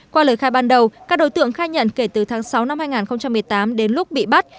qua lời khai ban đầu các đối tượng khai nhận kể từ tháng sáu năm hai nghìn một mươi tám đến lúc bị bắt